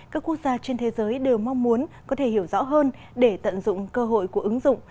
các quốc gia trên thế giới đều mong muốn có thể hiểu rõ hơn để tận dụng cơ hội của ứng dụng